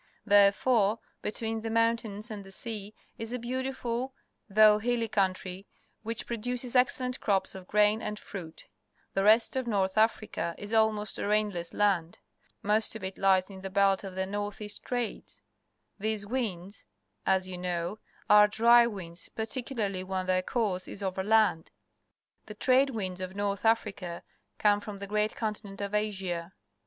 Therefore between the mountains and the sea is a beautiful, though hilly country, which produces excellent crops of graiiL and fruij , The rest of North Africa is almost a rain less land. Most of it lies in the belt of the I I Under 10 inches [^ 10 to so " I ] 20 u. 40 " Rainfall Map of Africa north east trades. These winds, as you know, are dry winds, particularly when their course is over land. The trade winds of North Africa come from the great continent of Asia.